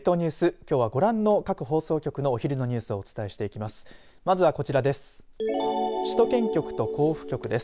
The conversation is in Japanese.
きょうはご覧の各放送局のお昼のニュースをお伝えしていきます。